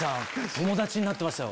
友達になってましたよ。